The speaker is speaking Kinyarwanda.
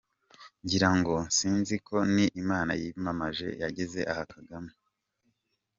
Ngirango sinzi ko ni Imana yiyamamaje yageza aha Kagame.